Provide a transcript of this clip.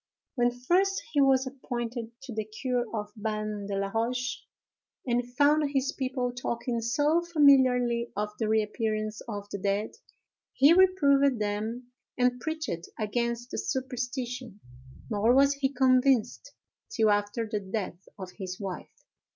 When first he was appointed to the curé of Ban de la Roche, and found his people talking so familiarly of the reappearance of the dead, he reproved them and preached against the superstition; nor was he convinced, till after the death of his wife.